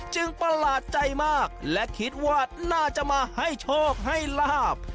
ประหลาดใจมากและคิดว่าน่าจะมาให้โชคให้ลาบ